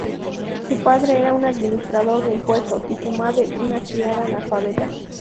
Su padre era un administrador de impuestos y su madre una criada analfabeta.